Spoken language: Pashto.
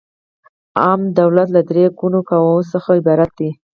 عامه د دولت له درې ګونو قواوو څخه عبارت ده.